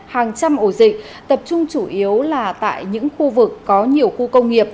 hàng trăm ổ dịch tập trung chủ yếu là tại những khu vực có nhiều khu công nghiệp